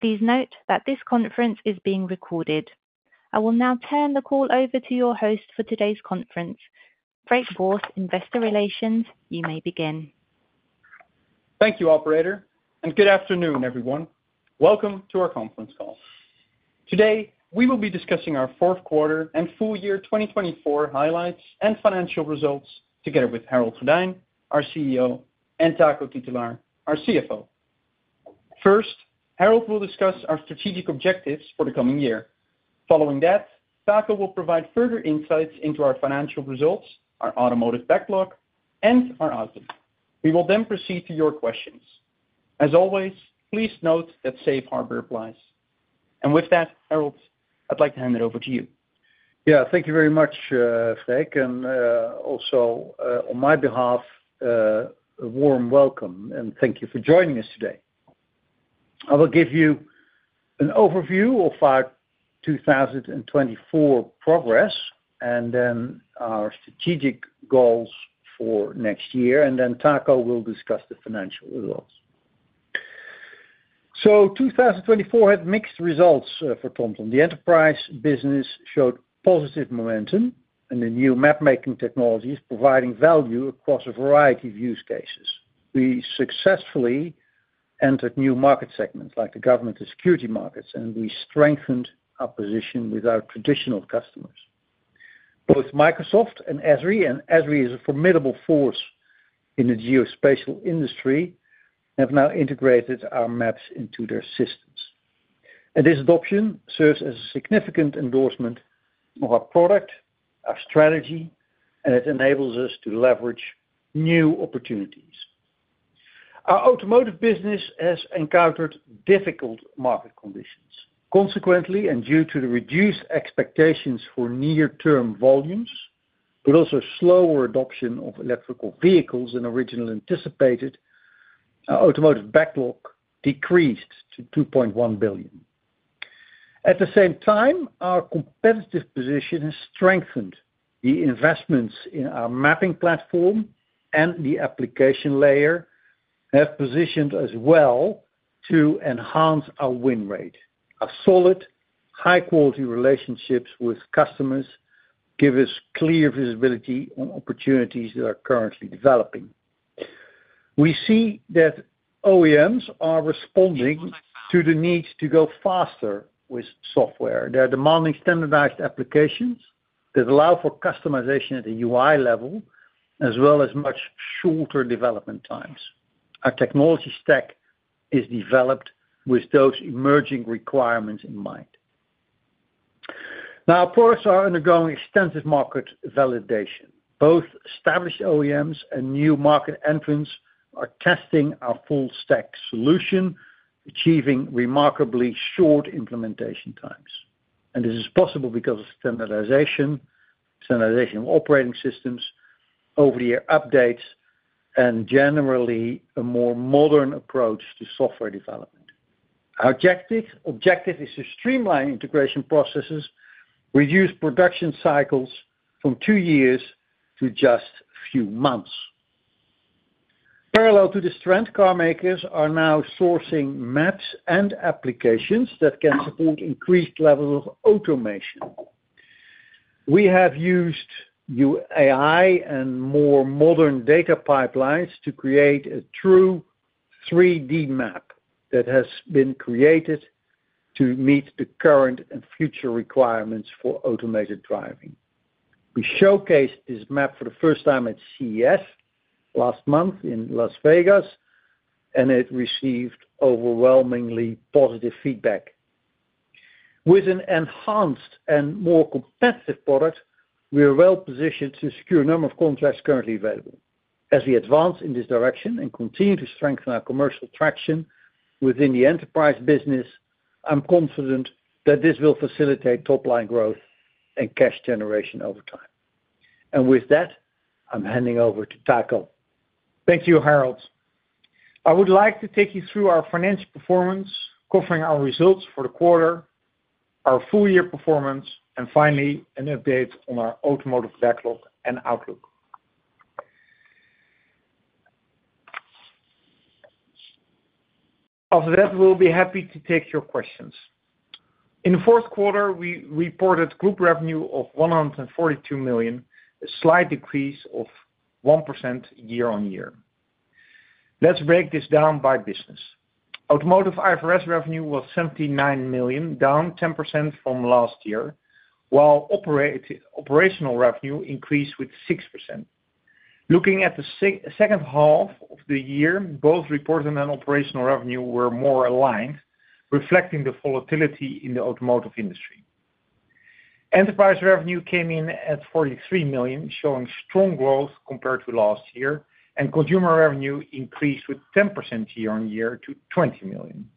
Please note that this conference is being recorded. I will now turn the call over to your host for today's conference. Freek Borst, Investor Relations, you may begin. Thank you, Operator, and good afternoon, everyone. Welcome to our conference call. Today, we will be discussing our fourth quarter and full year 2024 highlights and financial results together with Harold Goddijn, our CEO, and Taco Titulaer, our CFO. First, Harold will discuss our strategic objectives for the coming year. Following that, Taco will provide further insights into our financial results, our automotive backlog, and our outlook. We will then proceed to your questions. As always, please note that safe harbor applies. And with that, Harold, I'd like to hand it over to you. Yeah, thank you very much, Freek, and also on my behalf, a warm welcome, and thank you for joining us today. I will give you an overview of our 2024 progress and then our strategic goals for next year, and then Taco will discuss the financial results. So 2024 had mixed results for TomTom. The enterprise business showed positive momentum, and the new map-making technologies provided value across a variety of use cases. We successfully entered new market segments like the government and security markets, and we strengthened our position with our traditional customers. Both Microsoft and Esri, and Esri is a formidable force in the geospatial industry, have now integrated our maps into their systems. And this adoption serves as a significant endorsement of our product, our strategy, and it enables us to leverage new opportunities. Our automotive business has encountered difficult market conditions. Consequently, and due to the reduced expectations for near-term volumes, but also slower adoption of electric vehicles than originally anticipated, our automotive backlog decreased to 2.1 billion. At the same time, our competitive position has strengthened. The investments in our mapping platform and the application layer have positioned us well to enhance our win rate. Our solid, high-quality relationships with customers give us clear visibility on opportunities that are currently developing. We see that OEMs are responding to the need to go faster with software. They're demanding standardized applications that allow for customization at the UI level, as well as much shorter development times. Our technology stack is developed with those emerging requirements in mind. Now, our products are undergoing extensive market validation. Both established OEMs and new market entrants are testing our full-stack solution, achieving remarkably short implementation times. This is possible because of standardization, standardization of operating systems, over-the-air updates, and generally a more modern approach to software development. Our objective is to streamline integration processes, reduce production cycles from two years to just a few months. Parallel to this trend, car makers are now sourcing maps and applications that can support increased levels of automation. We have used new AI and more modern data pipelines to create a true 3D map that has been created to meet the current and future requirements for automated driving. We showcased this map for the first time at CES last month in Las Vegas, and it received overwhelmingly positive feedback. With an enhanced and more competitive product, we are well positioned to secure a number of contracts currently available. As we advance in this direction and continue to strengthen our commercial traction within the enterprise business, I'm confident that this will facilitate top-line growth and cash generation over time, and with that, I'm handing over to Taco. Thank you, Harold. I would like to take you through our financial performance, covering our results for the quarter, our full-year performance, and finally, an update on our automotive backlog and outlook. After that, we'll be happy to take your questions. In the fourth quarter, we reported group revenue of 142 million, a slight decrease of 1% year-on-year. Let's break this down by business. Automotive IFRS revenue was 79 million, down 10% from last year, while operational revenue increased with 6%. Looking at the second half of the year, both reporting and operational revenue were more aligned, reflecting the volatility in the automotive industry. Enterprise revenue came in at 43 million, showing strong growth compared to last year, and consumer revenue increased with 10% year-on-year to 20 million.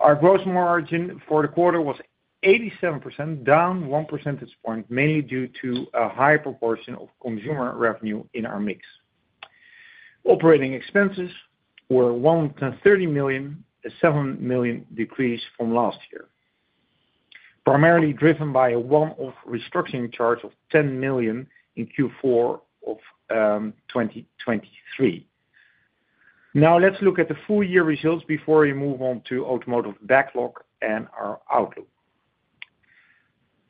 Our gross margin for the quarter was 87%, down one percentage point, mainly due to a high proportion of consumer revenue in our mix. Operating expenses were 130 million, a 7 million decrease from last year, primarily driven by a one-off restructuring charge of 10 million in Q4 of 2023. Now, let's look at the full-year results before we move on to automotive backlog and our outlook.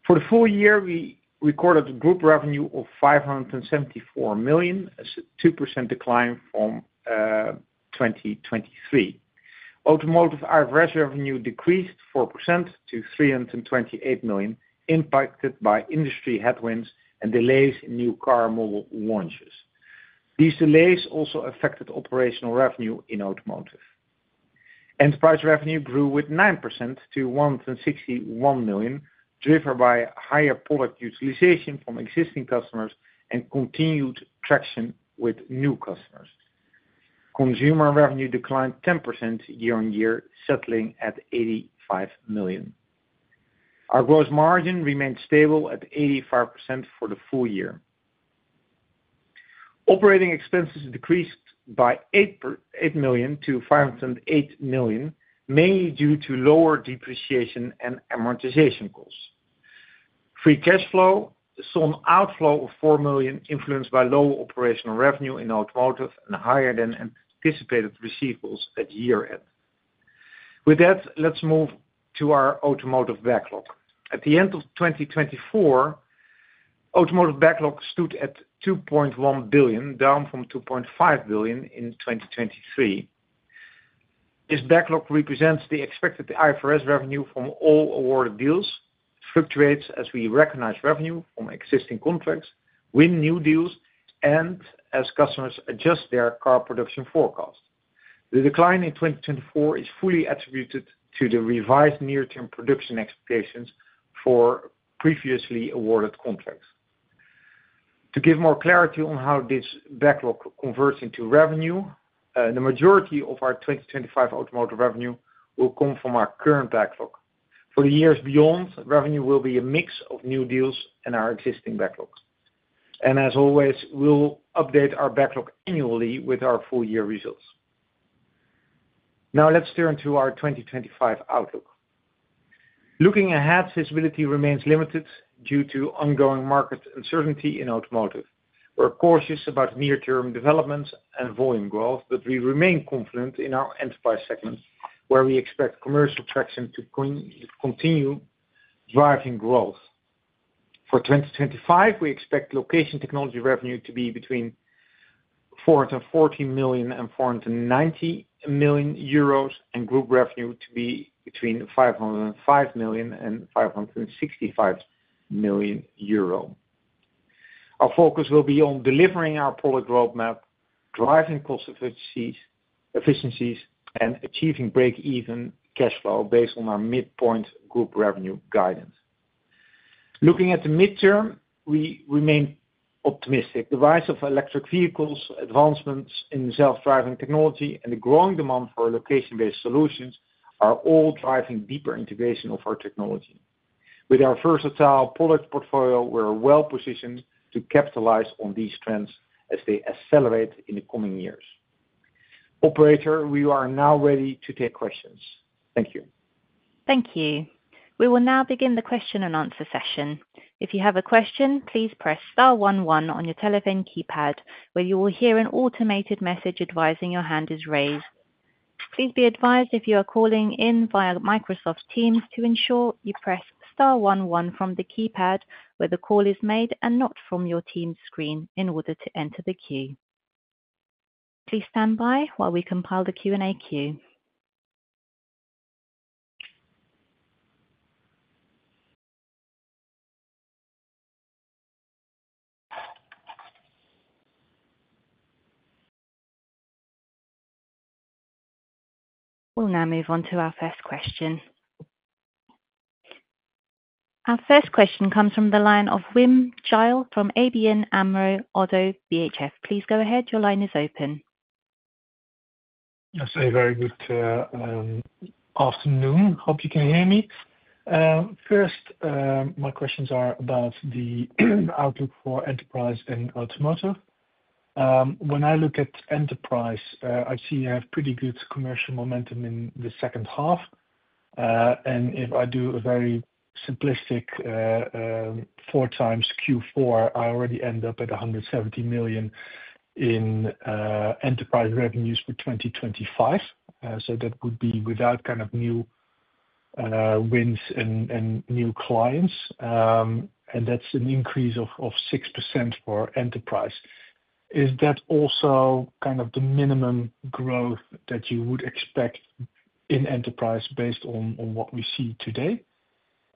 For the full year, we recorded a group revenue of 574 million, a 2% decline from 2023. Automotive IFRS revenue decreased 4% to 328 million, impacted by industry headwinds and delays in new car model launches. These delays also affected operational revenue in automotive. Enterprise revenue grew with 9% to 161 million, driven by higher product utilization from existing customers and continued traction with new customers. Consumer revenue declined 10% year-on-year, settling at 85 million. Our gross margin remained stable at 85% for the full year. Operating expenses decreased by eight million to 508 million, mainly due to lower depreciation and amortization costs. Free cash flow saw an outflow of 4 million, influenced by low operational revenue in automotive and higher than anticipated receivables at year-end. With that, let's move to our automotive backlog. At the end of 2024, automotive backlog stood at 2.1 billion, down from 2.5 billion in 2023. This backlog represents the expected IFRS revenue from all awarded deals, fluctuates as we recognize revenue from existing contracts, win new deals, and as customers adjust their car production forecast. The decline in 2024 is fully attributed to the revised near-term production expectations for previously awarded contracts. To give more clarity on how this backlog converts into revenue, the majority of our 2025 automotive revenue will come from our current backlog. For the years beyond, revenue will be a mix of new deals and our existing backlog, and as always, we'll update our backlog annually with our full-year results. Now, let's turn to our 2025 outlook. Looking ahead, visibility remains limited due to ongoing market uncertainty in automotive. We're cautious about near-term developments and volume growth, but we remain confident in our enterprise segment, where we expect commercial traction to continue driving growth. For 2025, we expect location technology revenue to be between 440 million and 490 million euros, and group revenue to be between 505 million and 565 million euro. Our focus will be on delivering our product roadmap, driving cost efficiencies, and achieving break-even cash flow based on our midpoint group revenue guidance. Looking at the midterm, we remain optimistic. The rise of electric vehicles, advancements in self-driving technology, and the growing demand for location-based solutions are all driving deeper integration of our technology. With our versatile product portfolio, we're well positioned to capitalize on these trends as they accelerate in the coming years. Operator, we are now ready to take questions. Thank you. Thank you. We will now begin the Q&A session. If you have a question, please press star one one on your telephone keypad, where you will hear an automated message advising your hand is raised. Please be advised if you are calling in via Microsoft Teams to ensure you press star one one from the keypad where the call is made and not from your Teams screen in order to enter the queue. Please stand by while we compile the Q&A queue. We'll now move on to our first question. Our first question comes from the line of Wim Gille from ABN AMRO-ODDO BHF. Please go ahead. Your line is open. Yes, very good afternoon. Hope you can hear me. First, my questions are about the outlook for enterprise and automotive. When I look at enterprise, I see you have pretty good commercial momentum in the second half. And if I do a very simplistic four times Q4, I already end up at 170 million in enterprise revenues for 2025. So that would be without kind of new wins and new clients. And that's an increase of 6% for enterprise. Is that also kind of the minimum growth that you would expect in enterprise based on what we see today?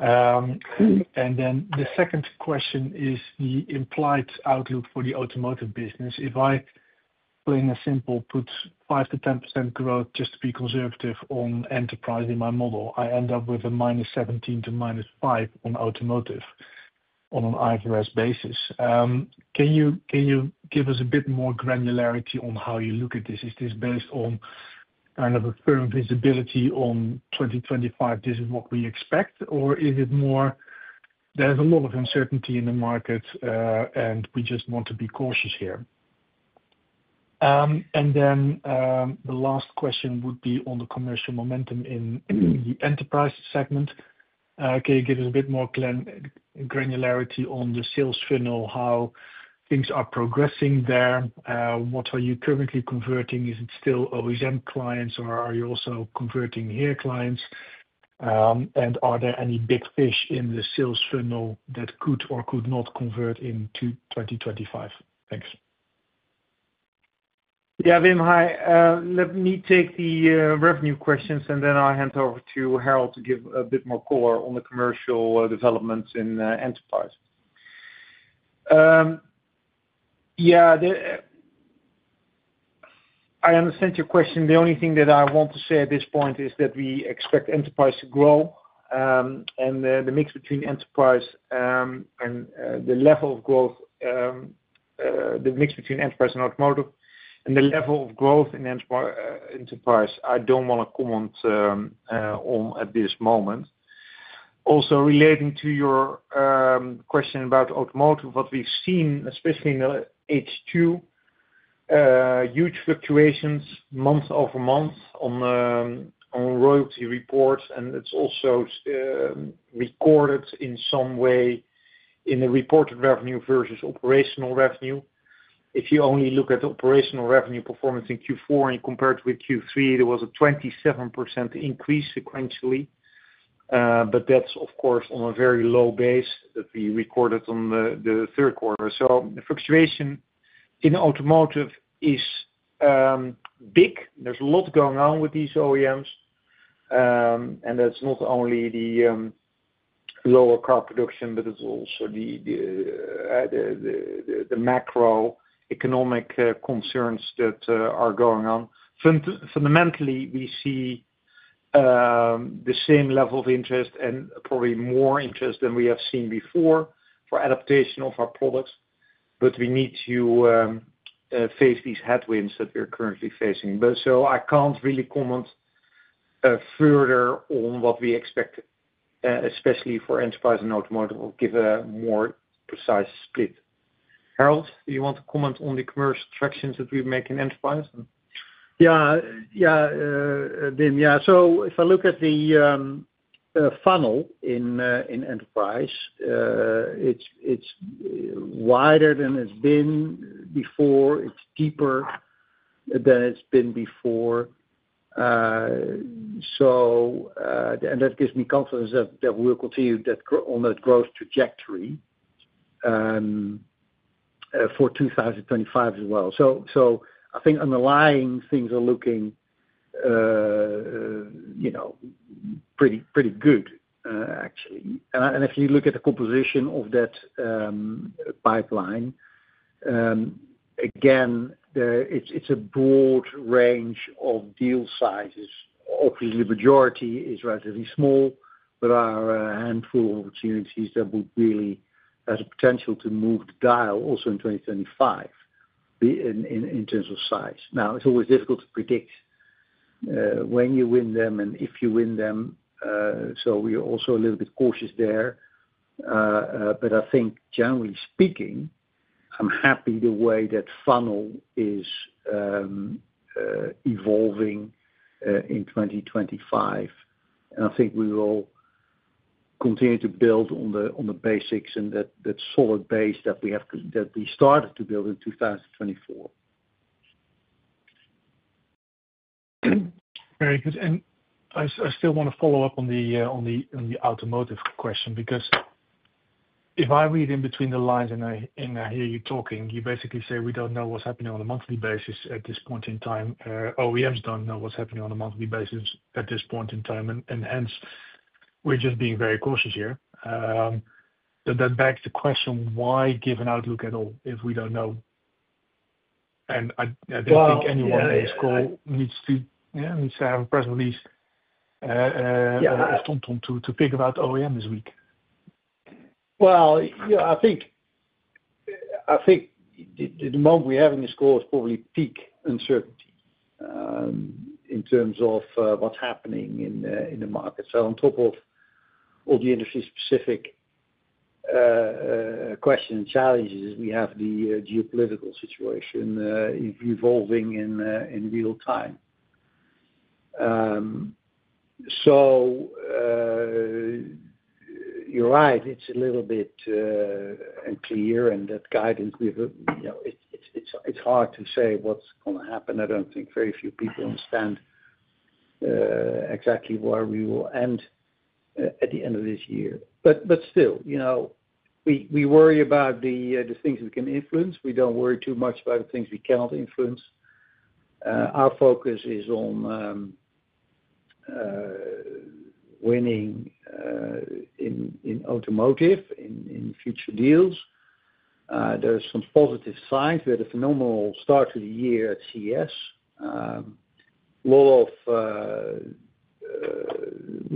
And then the second question is the implied outlook for the automotive business. If I put in a simple put, 5% to 10% growth, just to be conservative on enterprise in my model, I end up with a -17% to -5% on automotive on an IFRS basis. Can you give us a bit more granularity on how you look at this? Is this based on kind of a firm visibility on 2025? This is what we expect, or is it more there's a lot of uncertainty in the market, and we just want to be cautious here? And then the last question would be on the commercial momentum in the enterprise segment. Can you give us a bit more granularity on the sales funnel, how things are progressing there? What are you currently converting? Is it still OSM clients, or are you also converting HERE clients? And are there any big fish in the sales funnel that could or could not convert into 2025? Thanks. Yeah, Wim, hi. Let me take the revenue questions, and then I'll hand over to Harold to give a bit more color on the commercial developments in enterprise. Yeah, I understand your question. The only thing that I want to say at this point is that we expect enterprise to grow. And the mix between enterprise and the level of growth, the mix between enterprise and automotive and the level of growth in enterprise, I don't want to comment on at this moment. Also, relating to your question about automotive, what we've seen, especially in the H2, huge fluctuations month over month on royalty reports. And it's also recorded in some way in the reported revenue versus operational revenue. If you only look at the operational revenue performance in Q4 and compare it with Q3, there was a 27% increase sequentially. But that's, of course, on a very low base that we recorded on the Q3. So the fluctuation in automotive is big. There's a lot going on with these OEMs. And that's not only the lower car production, but it's also the macroeconomic concerns that are going on. Fundamentally, we see the same level of interest and probably more interest than we have seen before for adaptation of our products. But we need to face these headwinds that we're currently facing. So I can't really comment further on what we expect, especially for enterprise and automotive, or give a more precise split. Harold, do you want to comment on the commercial tractions that we make in enterprise? Yeah, yeah, Wim. Yeah, so if I look at the funnel in enterprise, it's wider than it's been before. It's deeper than it's been before. That gives me confidence that we'll continue on that growth trajectory for 2025 as well. I think underlying things are looking pretty good, actually. If you look at the composition of that pipeline, again, it's a broad range of deal sizes. Obviously, the majority is relatively small, but there are a handful of opportunities that would really have the potential to move the dial also in 2025 in terms of size. Now, it's always difficult to predict when you win them and if you win them. We're also a little bit cautious there. I think, generally speaking, I'm happy the way that funnel is evolving in 2025. I think we will continue to build on the basics and that solid base that we started to build in 2024. Very good, and I still want to follow up on the automotive question because if I read between the lines and I hear you talking, you basically say we don't know what's happening on a monthly basis at this point in time. OEMs don't know what's happening on a monthly basis at this point in time. And hence, we're just being very cautious here. That begs the question, why give an outlook at all if we don't know? And I don't think anyone on this call needs to have a press release of TomTom figure out that OEMs are weak. I think the moment we have in this call is probably peak uncertainty in terms of what's happening in the market. On top of all the industry-specific questions and challenges, we have the geopolitical situation evolving in real time. You're right. It's a little bit unclear, and that guidance, it's hard to say what's going to happen. I don't think very few people understand exactly where we will end at the end of this year. Still, we worry about the things we can influence. We don't worry too much about the things we cannot influence. Our focus is on winning in automotive in future deals. There are some positive signs. We had a phenomenal start to the year at CES. Lots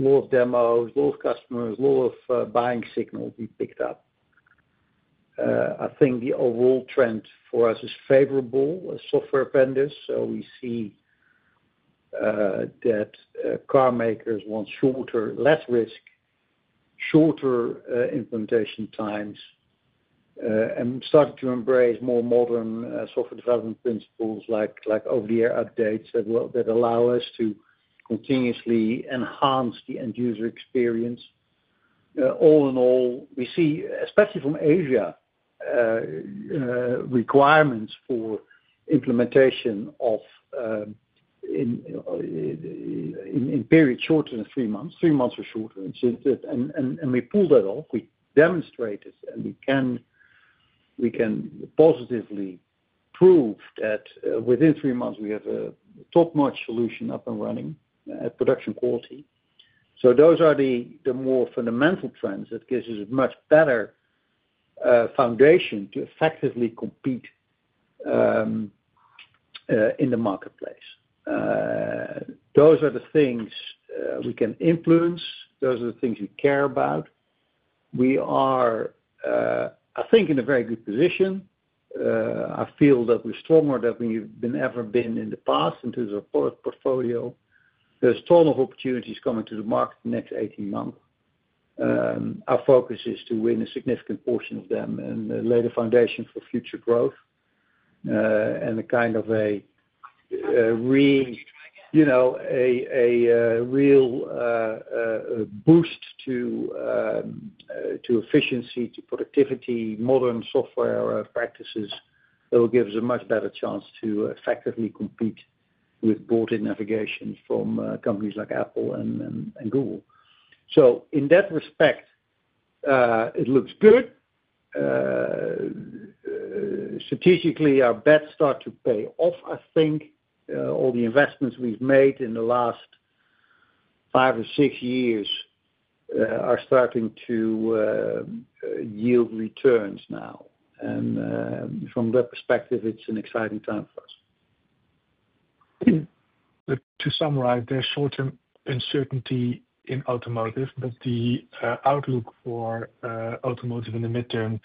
of demos, lots of customers, lots of buying signals we picked up. I think the overall trend for us is favorable as software vendors. So we see that car makers want shorter, less risk, shorter implementation times, and started to embrace more modern software development principles like over-the-air updates that allow us to continuously enhance the end-user experience. All in all, we see, especially from Asia, requirements for implementation in periods shorter than three months, three months or shorter. And we pulled that off. We demonstrated and we can positively prove that within three months, we have a top-notch solution up and running at production quality. So those are the more fundamental trends that give us a much better foundation to effectively compete in the marketplace. Those are the things we can influence. Those are the things we care about. We are, I think, in a very good position. I feel that we're stronger than we've ever been in the past in terms of product portfolio. There's a ton of opportunities coming to the market in the next 18 months. Our focus is to win a significant portion of them and lay the foundation for future growth and a kind of a real boost to efficiency, to productivity, modern software practices that will give us a much better chance to effectively compete with brought-in navigation from companies like Apple and Google. So in that respect, it looks good. Strategically, our bets start to pay off, I think. All the investments we've made in the last five or six years are starting to yield returns now. And from that perspective, it's an exciting time for us. To summarize, there's short-term uncertainty in automotive, but the outlook for automotive in the midterm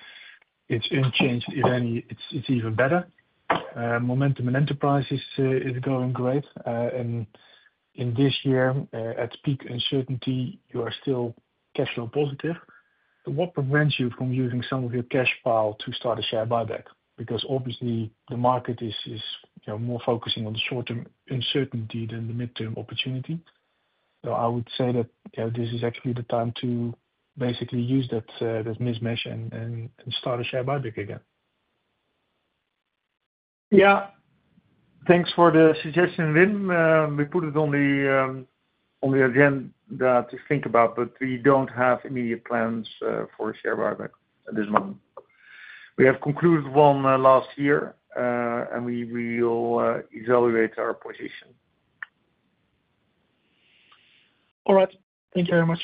is unchanged, if any. It's even better. Momentum in enterprise is going great, and in this year, at peak uncertainty, you are still cash flow positive. What prevents you from using some of your cash pile to start a share buyback? Because obviously, the market is more focusing on the short-term uncertainty than the midterm opportunity, so I would say that this is actually the time to basically use that mismatch and start a share buyback again. Yeah. Thanks for the suggestion, Wim. We put it on the agenda to think about, but we don't have immediate plans for a share buyback at this moment. We have concluded one last year, and we will evaluate our position. All right. Thank you very much.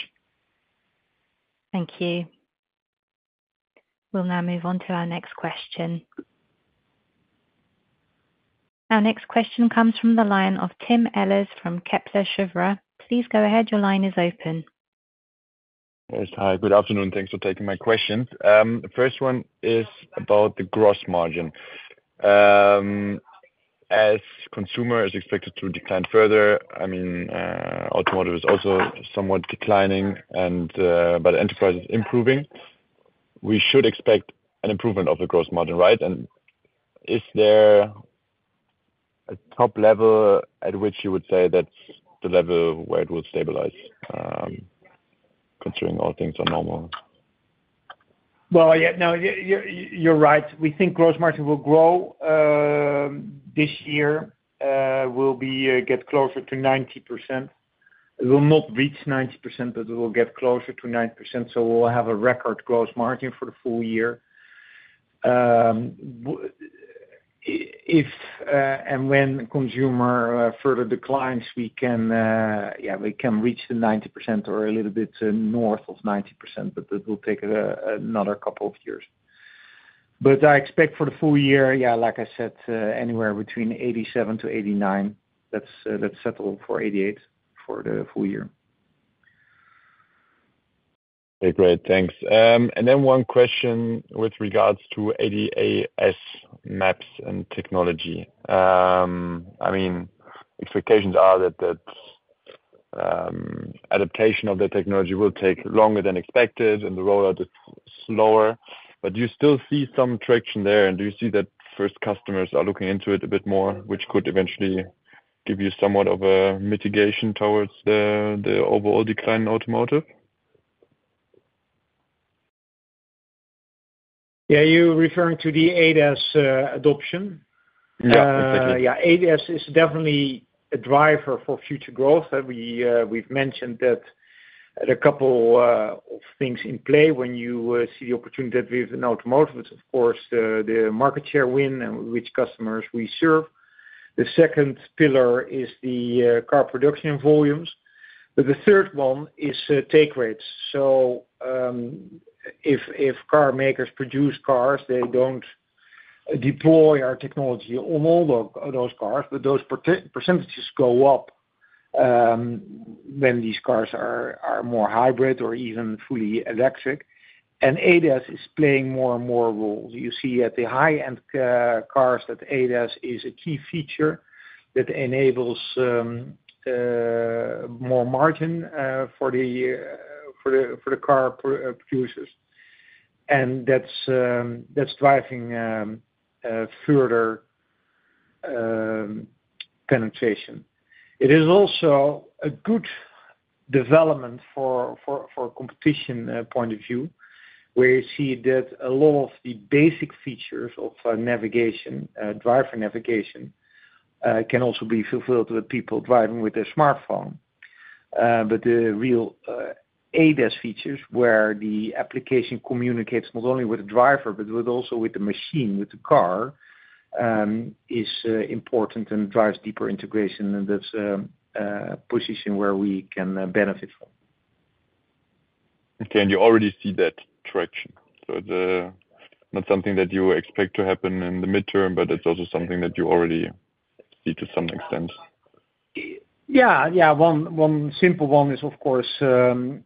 Thank you. We'll now move on to our next question. Our next question comes from the line of Tim Ehlers from Kepler Cheuvreux. Please go ahead. Your line is open. Hi. Good afternoon. Thanks for taking my questions. The first one is about the gross margin. As consumers expect it to decline further, I mean, automotive is also somewhat declining, but enterprise is improving. We should expect an improvement of the gross margin, right, and is there a top level at which you would say that's the level where it will stabilize considering all things are normal? Yeah, no, you're right. We think gross margin will grow this year. We'll get closer to 90%. It will not reach 90%, but we'll get closer to 90%. We'll have a record gross margin for the full year. If and when consumer further declines, yeah, we can reach the 90% or a little bit north of 90%, but it will take another couple of years. I expect for the full year, yeah, like I said, anywhere between 87% to 89%. Let's settle for 88% for the full year. Okay. Great. Thanks. And then one question with regards to ADAS maps and technology. I mean, expectations are that adaptation of the technology will take longer than expected, and the rollout is slower. But do you still see some traction there? And do you see that first customers are looking into it a bit more, which could eventually give you somewhat of a mitigation towards the overall decline in automotive? Yeah. Are you referring to the ADAS adoption? Yeah, exactly. Yeah. ADAS is definitely a driver for future growth. We've mentioned that there are a couple of things in play when you see the opportunity that we have in automotive. It's, of course, the market share win and which customers we serve. The second pillar is the car production volumes, but the third one is take rates. So if car makers produce cars, they don't deploy our technology on all those cars, but those percentages go up when these cars are more hybrid or even fully electric, and ADAS is playing more and more roles. You see, at the high-end cars that ADAS is a key feature that enables more margin for the car producers, and that's driving further penetration. It is also a good development from a competition point of view where you see that a lot of the basic features of navigation, driver navigation, can also be fulfilled with people driving with their smartphone, but the real ADAS features where the application communicates not only with the driver, but also with the machine, with the car, is important and drives deeper integration, and that's a position where we can benefit from. Okay, and you already see that traction, so it's not something that you expect to happen in the midterm, but it's also something that you already see to some extent. Yeah. Yeah. One simple one is, of course, ISA,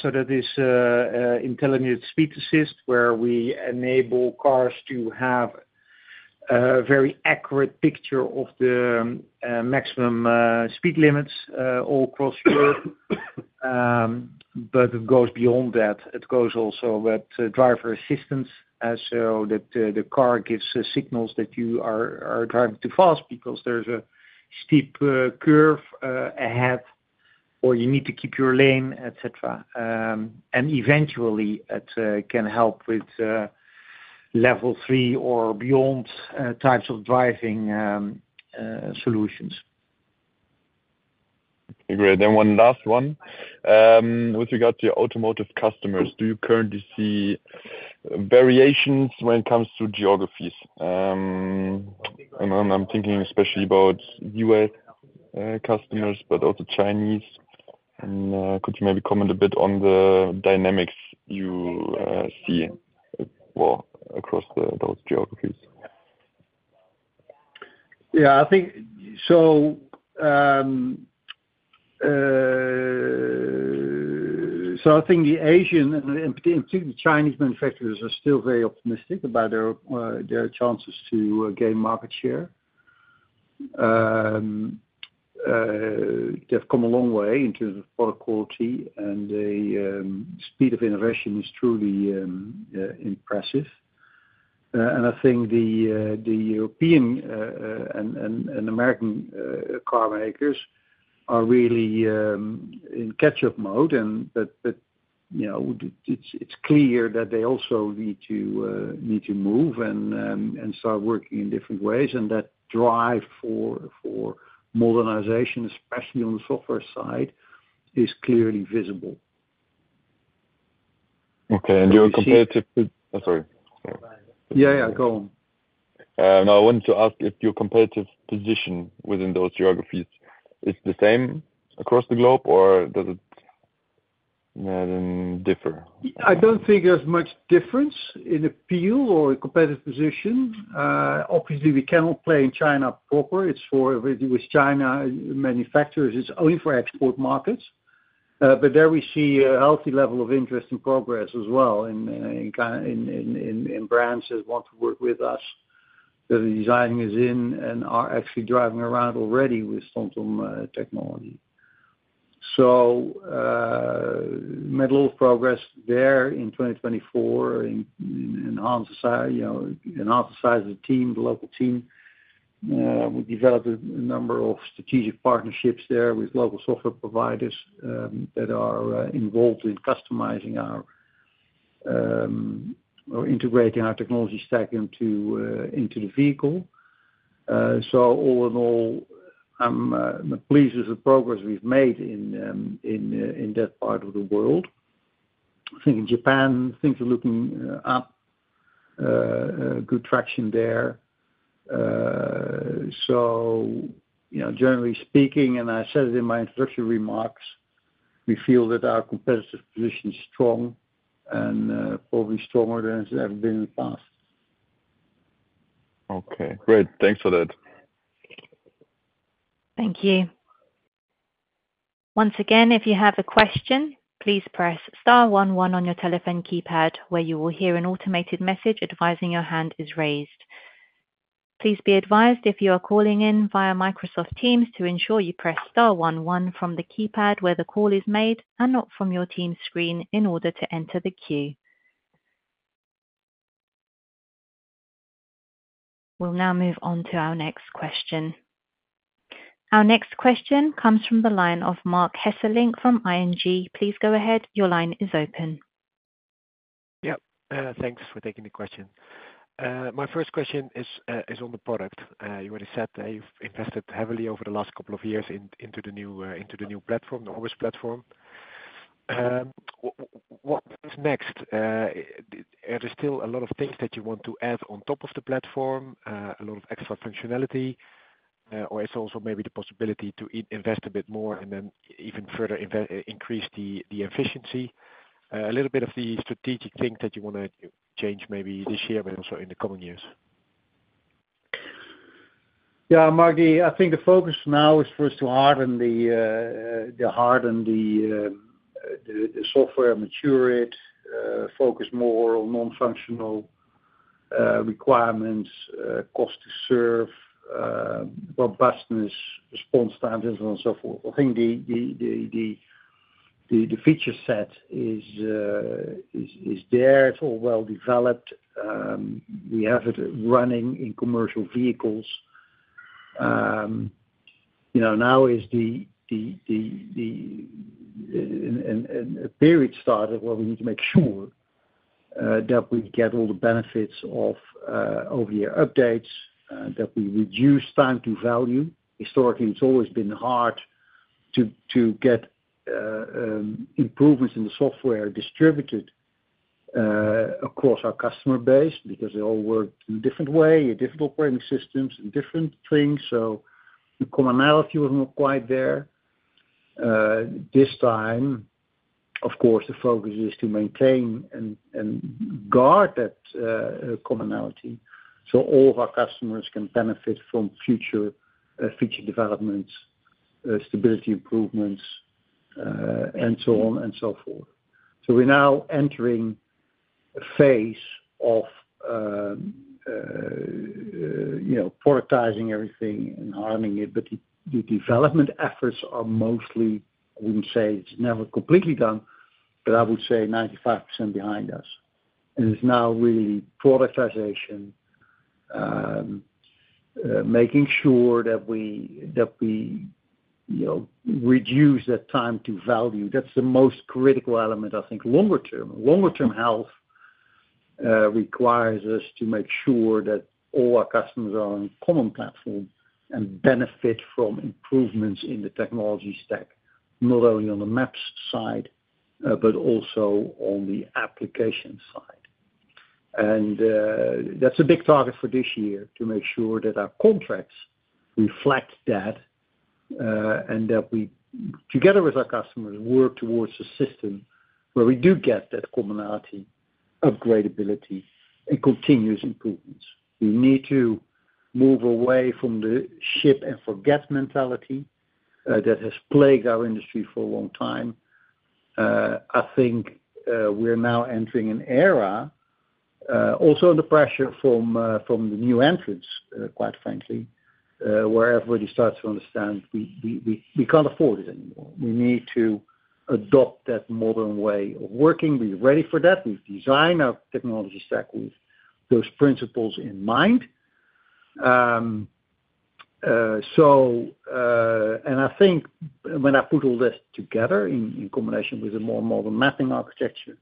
so that is Intelligent Speed Assistance, where we enable cars to have a very accurate picture of the maximum speed limits all across Europe. But it goes beyond that. It goes also with driver assistance so that the car gives signals that you are driving too fast because there's a steep curve ahead or you need to keep your lane, etc., and eventually, it can help with Level 3 or beyond types of driving solutions. Okay. Great. Then one last one. With regards to your automotive customers, do you currently see variations when it comes to geographies? And I'm thinking especially about U.S. customers, but also Chinese. And could you maybe comment a bit on the dynamics you see across those geographies? Yeah, so I think the Asian and particularly Chinese manufacturers are still very optimistic about their chances to gain market share. They've come a long way in terms of product quality, and the speed of innovation is truly impressive, and I think the European and American car makers are really in catch-up mode, but it's clear that they also need to move and start working in different ways, and that drive for modernization, especially on the software side, is clearly visible. Okay. And your competitive, sorry. Yeah, yeah. Go on. No, I wanted to ask if your competitive position within those geographies is the same across the globe, or does it differ? I don't think there's much difference in appeal or competitive position. Obviously, we cannot play in China proper. It's for China manufacturers. It's only for export markets. But there we see a healthy level of interest and progress as well in brands that want to work with us, that the design is in and are actually driving around already with TomTom technology. So made a lot of progress there in 2024 in Asia, size the team, the local team. We developed a number of strategic partnerships there with local software providers that are involved in customizing or integrating our technology stack into the vehicle. So all in all, I'm pleased with the progress we've made in that part of the world. I think in Japan, things are looking up. Good traction there. So generally speaking, and I said it in my introductory remarks, we feel that our competitive position is strong and probably stronger than it's ever been in the past. Okay. Great. Thanks for that. Thank you. Once again, if you have a question, please press star one one on your telephone keypad, where you will hear an automated message advising your hand is raised. Please be advised if you are calling in via Microsoft Teams to ensure you press star one one from the keypad where the call is made and not from your Teams screen in order to enter the queue. We'll now move on to our next question. Our next question comes from the line of Marc Hesselink from ING. Please go ahead. Your line is open. Yeah. Thanks for taking the question. My first question is on the product. You already said that you've invested heavily over the last couple of years into the new platform, the Orbis platform. What's next? Are there still a lot of things that you want to add on top of the platform, a lot of extra functionality, or it's also maybe the possibility to invest a bit more and then even further increase the efficiency? A little bit of the strategic thing that you want to change maybe this year, but also in the coming years? Yeah, Marc, I think the focus now is for us to harden the software, mature it, focus more on non-functional requirements, cost to serve, robustness, response time, and so forth. I think the feature set is there. It's all well developed. We have it running in commercial vehicles. Now is the period started where we need to make sure that we get all the benefits of over-the-air updates, that we reduce time to value. Historically, it's always been hard to get improvements in the software distributed across our customer base because they all work in a different way, different operating systems, and different things. So the commonality was not quite there. This time, of course, the focus is to maintain and guard that commonality so all of our customers can benefit from future feature developments, stability improvements, and so on and so forth. We're now entering a phase of productizing everything and hardening it. But the development efforts are mostly, I wouldn't say it's never completely done, but I would say 95% behind us. And it's now really productization, making sure that we reduce that time to value. That's the most critical element, I think, longer term. Longer-term health requires us to make sure that all our customers are on a common platform and benefit from improvements in the technology stack, not only on the maps side, but also on the application side. And that's a big target for this year to make sure that our contracts reflect that and that we, together with our customers, work towards a system where we do get that commonality, upgradability, and continuous improvements. We need to move away from the ship-and-forget mentality that has plagued our industry for a long time. I think we're now entering an era, also under pressure from the new entrants, quite frankly, where everybody starts to understand we can't afford it anymore. We need to adopt that modern way of working. We're ready for that. We've designed our technology stack with those principles in mind. And I think when I put all this together in combination with a more modern mapping architecture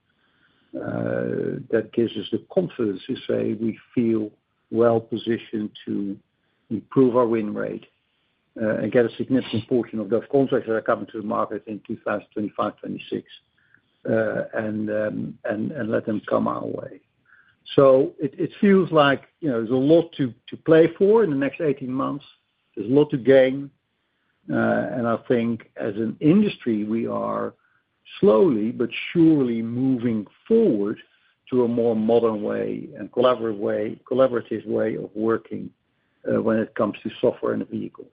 that gives us the confidence to say we feel well positioned to improve our win rate and get a significant portion of those contracts that are coming to the market in 2025, 2026, and let them come our way. So it feels like there's a lot to play for in the next 18 months. There's a lot to gain. I think as an industry, we are slowly but surely moving forward to a more modern way and collaborative way of working when it comes to software in a vehicle.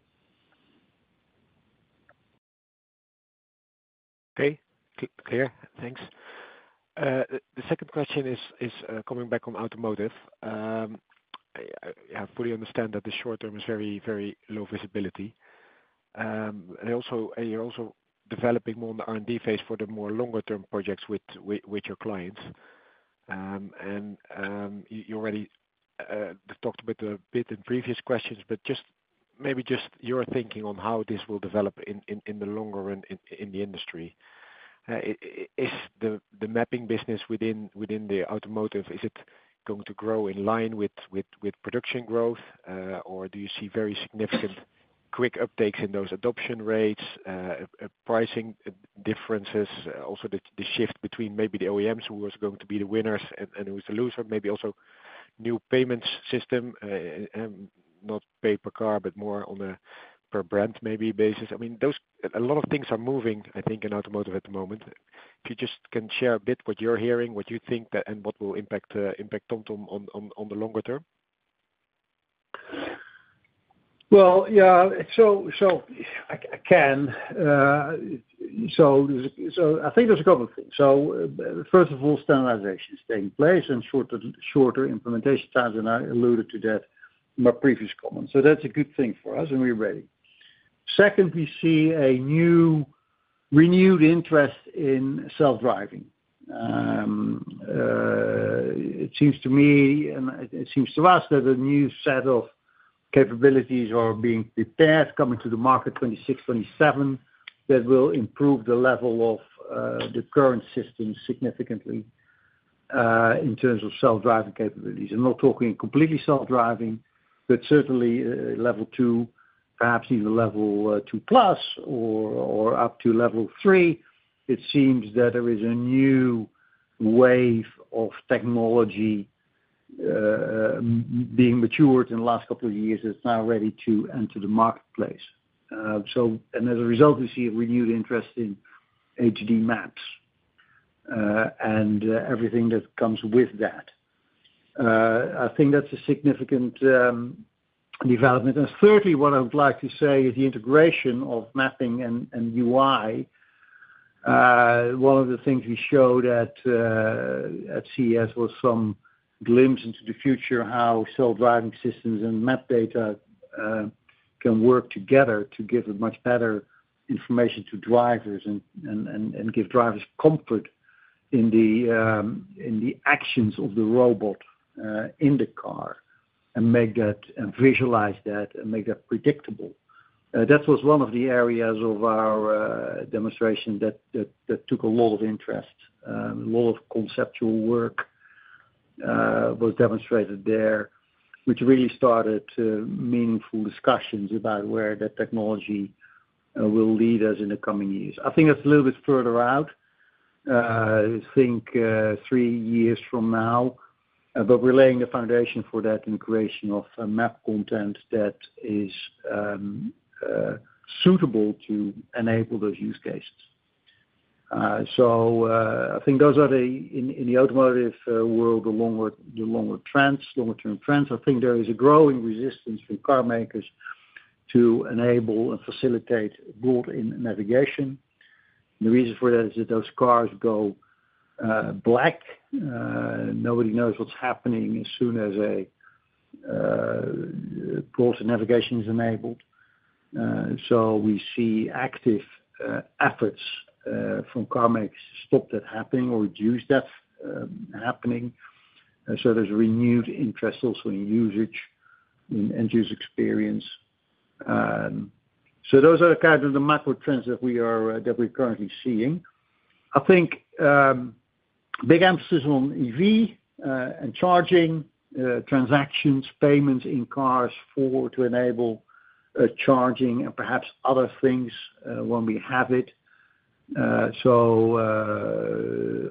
Okay. Clear. Thanks. The second question is coming back from automotive. I fully understand that the short term is very, very low visibility, and you're also developing more on the R&D phase for the more longer-term projects with your clients, and you already talked a bit in previous questions, but maybe just your thinking on how this will develop in the longer run in the industry. Is the mapping business within the automotive, is it going to grow in line with production growth, or do you see very significant quick uptakes in those adoption rates, pricing differences, also the shift between maybe the OEMs who are going to be the winners and who's the loser, maybe also new payments system, not pay per car, but more on a per brand maybe basis? I mean, a lot of things are moving, I think, in automotive at the moment. If you just can share a bit what you're hearing, what you think, and what will impact TomTom on the longer term. Yeah. I can. I think there's a couple of things. First of all, standardization is taking place and shorter implementation times, and I alluded to that in my previous comments. That's a good thing for us, and we're ready. Second, we see a new renewed interest in self-driving. It seems to me, and it seems to us, that a new set of capabilities are being prepared, coming to the market 2026, 2027, that will improve the level of the current system significantly in terms of self-driving capabilities. I'm not talking completely self-driving, but certainly level two, perhaps even level two plus or up to level three. It seems that there is a new wave of technology being matured in the last couple of years that's now ready to enter the marketplace. As a result, we see a renewed interest in HD maps and everything that comes with that. I think that's a significant development. Thirdly, what I would like to say is the integration of mapping and UI. One of the things we showed at CES was some glimpse into the future, how self-driving systems and map data can work together to give a much better information to drivers and give drivers comfort in the actions of the robot in the car and visualize that and make that predictable. That was one of the areas of our demonstration that took a lot of interest. A lot of conceptual work was demonstrated there, which really started meaningful discussions about where that technology will lead us in the coming years. I think that's a little bit further out. I think three years from now, but we're laying the foundation for that integration of map content that is suitable to enable those use cases. So I think those are the, in the automotive world, the longer-term trends. I think there is a growing resistance from car makers to enable and facilitate bring-in navigation. The reason for that is that those cars go blank. Nobody knows what's happening as soon as a bring-in navigation is enabled. So we see active efforts from car makers to stop that happening or reduce that happening. So there's a renewed interest also in usage, in end-user experience. So those are kind of the macro trends that we are currently seeing. I think big emphasis on EV and charging, transactions, payments in cars for what to enable charging and perhaps other things when we have it. So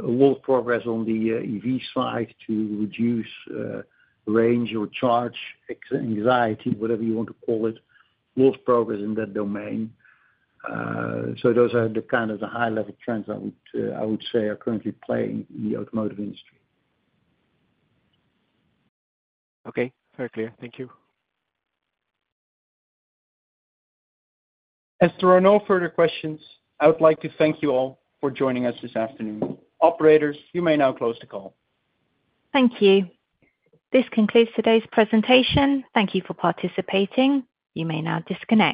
a lot of progress on the EV side to reduce range or charge anxiety, whatever you want to call it, a lot of progress in that domain. So those are the kind of the high-level trends I would say are currently playing in the automotive industry. Okay. Very clear. Thank you. As there are no further questions, I would like to thank you all for joining us this afternoon. Operators, you may now close the call. Thank you. This concludes today's presentation. Thank you for participating. You may now disconnect.